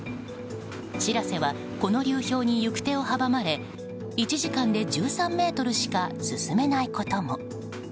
「しらせ」はこの流氷に行く手を阻まれ１時間で１３ｍしか進めないことも。